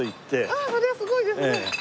ああそれはすごいですね。